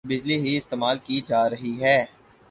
بجلی ہی استعمال کی جارہی ھے